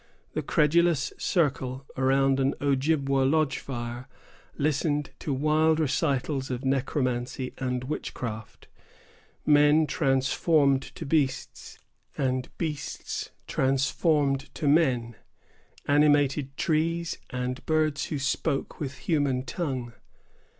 The credulous circle around an Ojibwa lodge fire listened to wild recitals of necromancy and witchcraft——men transformed to beasts, and beasts transformed to men, animated trees, and birds who spoke with human tongue.